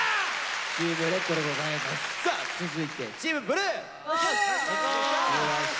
さあ続いてチームブルー！